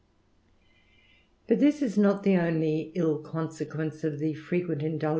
But this is not the only ill consequence of the frequent ^dii!